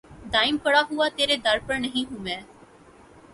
دائم پڑا ہوا تیرے در پر نہیں ہوں میں